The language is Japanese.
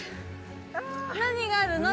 何があるの？